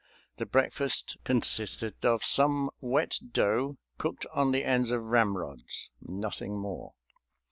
The breakfast consisted of some wet dough cooked on the ends of ramrods; nothing more.